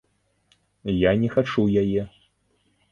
Я не хачу яе!